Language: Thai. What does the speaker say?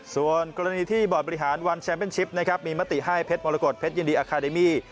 ส่วนกรณีที่บอร์ดบริหารวันแชมป์เป็นชิปนะครับมีมติให้เพชรมรกฏเพชรยินดีอาคาเดมี่